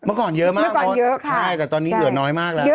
เมื่อก่อนเยอะมากมดเยอะใช่แต่ตอนนี้เหลือน้อยมากแล้ว